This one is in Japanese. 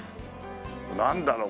なんだろう？